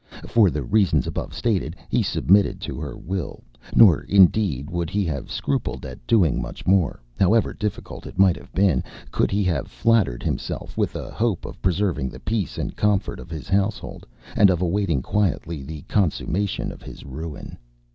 For the reasons above stated, he submitted to her will; nor, indeed, would he have scrupled at doing much more, however difficult it might have been, could he have flattered himself with a hope of preserving the peace and comfort of his household, and of awaiting quietly the consummation of his ruin.